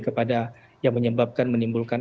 kepada yang menyebabkan menimbulkan